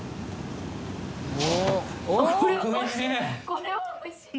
これはおいしい！